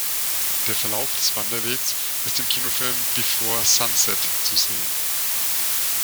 Der Verlauf des Wanderwegs ist im Kinofilm "Before Sunset" zu sehen.